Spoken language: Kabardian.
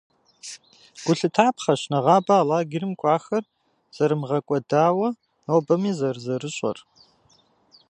Гу лъытапхъэщ нэгъабэ а лагерым кӏуахэр зэрымыгъэкӏуэдауэ нобэми зэрызэрыщӏэр.